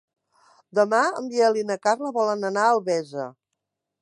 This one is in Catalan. Demà en Biel i na Carla volen anar a Albesa.